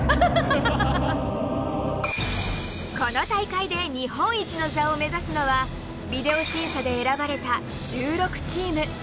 この大会で日本一の座を目指すのはビデオ審査で選ばれた１６チーム。